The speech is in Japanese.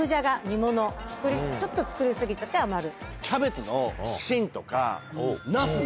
ちょっと作り過ぎちゃって余る。